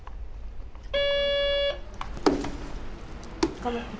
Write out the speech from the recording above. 行かない？